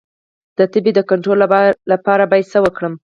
د تبې د کنټرول لپاره باید څه وکړم؟